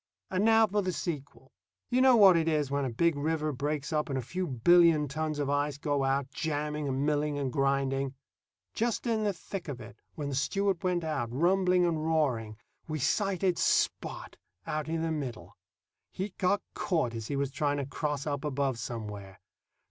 And now for the sequel. You know what it is when a big river breaks up and a few billion tons of ice go out, jamming and milling and grinding. Just in the thick of it, when the Stewart went out, rumbling and roaring, we sighted Spot out in the middle. He'd got caught as he was trying to cross up above somewhere.